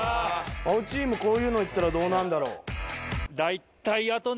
青チームこういうの行ったらどうなんだろ？